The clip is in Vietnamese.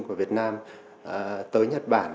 của việt nam tới nhật bản